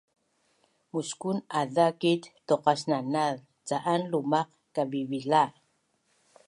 Muskun azakit tuqasnanaz ca’an lumaq kavivila